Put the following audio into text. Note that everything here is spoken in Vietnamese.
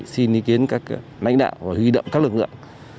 xin ý kiến các lãnh đạo và huy động các lực lượng